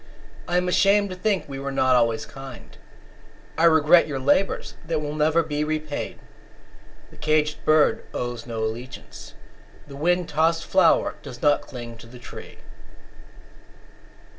I am ashamed to think we were not always kind; I regret your labours, that will never be repaid. The caged bird owes no allegiance; The wind tossed flower does not cling to the tree.